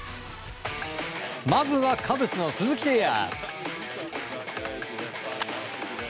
まずはカブスの鈴木誠也。